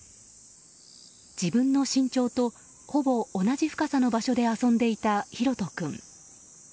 自分の身長とほぼ同じ深さの場所で遊んでいた大翔君。